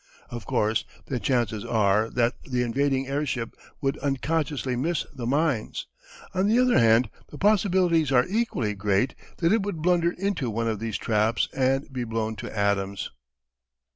Of course, the chances are that the invading airship would unconsciously miss the mines; on the other hand the possibilities are equally great that it would blunder into one of these traps and be blown to atoms.